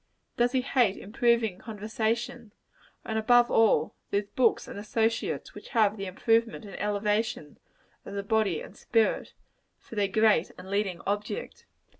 Does he hate improving conversation and above all, those books and associates which have the improvement and elevation of the body and spirit, for their great and leading object?